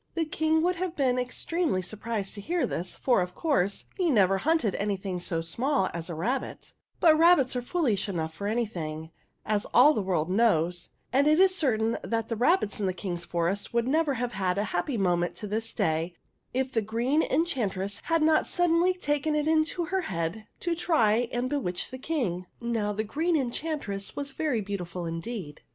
The King would have been ex tremely surprised to hear this, for, of course, he never hunted anything so small as a rabbit ; but rabbits are foolish enough for anything, as all the world knows, and it is certain that the rabbits of the King's forest would never have had a happy moment to this day, if the Green Enchantress had not suddenly taken it into her head to try and bewitch the King. Now, the Green Enchantress was very beau tiful indeed.